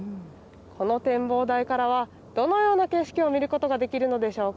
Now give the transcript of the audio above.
この展望台からはどのような景色を見ることができるのでしょうか。